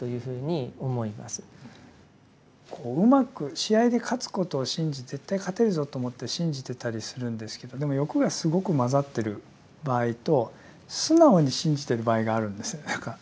こううまく試合に勝つことを信じて絶対勝てるぞと思って信じてたりするんですけどでも欲がすごく混ざってる場合と素直に信じてる場合があるんですよね何か。